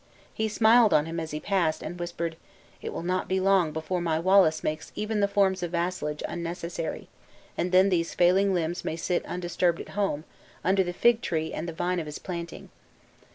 He smiled on him as he passed, and whispered "It will not be long before my Wallace makes even the forms of vassalage unnecessary; and then these failing limbs may sit undisturbed at home, under the fig tree and vine of his planting!"